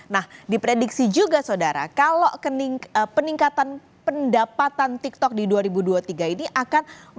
nah diprediksi juga saudara kalau peningkatan pendapatan tiktok di dua ribu dua puluh tiga ini akan meningkatkan valuasi tiktok nilai perusahaan tiktok